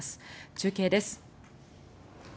中継です。